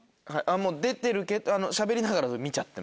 もう出てるしゃべりながら見ちゃってます。